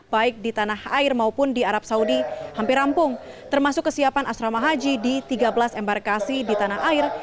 baik di tanah air maupun di arab saudi hampir rampung termasuk kesiapan asrama haji di tiga belas embarkasi di tanah air